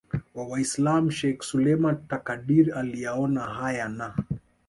wa Waislam Sheikh Suleiman Takadir aliyaona haya na